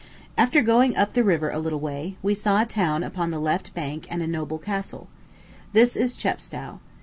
After going up the river a little way, we saw a town upon the left bank and a noble castle. This is Chepstow.